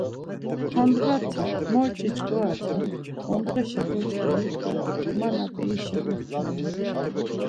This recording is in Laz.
Handğati morçi ç̌ǩoraten, ondğeşa doç̌ǩorit do ma nap̌irişa meptare ya.